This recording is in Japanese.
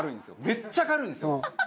めっちゃ軽いんですよ。